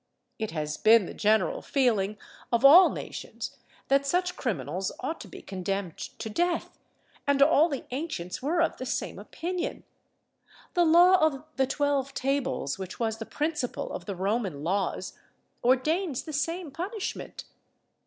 "It has been the general feeling of all nations that such criminals ought to be condemned to death, and all the ancients were of the same opinion. The law of the 'Twelve Tables,' which was the principal of the Roman laws, ordains the same punishment.